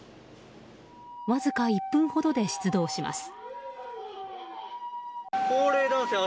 わずか１分ほどで出動します。